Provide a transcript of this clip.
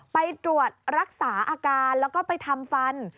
ไปตรวจรักษาอาการแล้วก็ไปทำฟัน